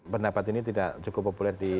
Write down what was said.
pendapat ini tidak cukup populer di